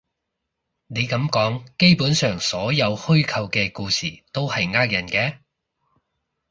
你噉講，基本上所有虛構嘅故事都係呃人嘅